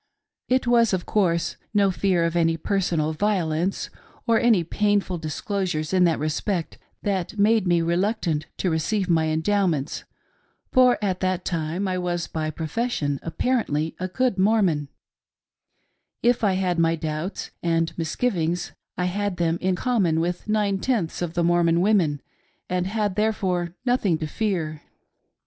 It was, of course, no fear of any personal violence or any painful disclosures in that respect that made me reluctant to receive my Endowments, for at that time I was by profession apparently a good Mormon ;— if I had my doubts and mis givings, I had them in common with nine tenths of the Mor mon women, and had therefore nothing to fear.